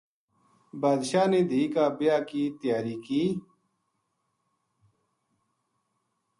بادشاہ نے دھی کا بیاہ کی تیاری کی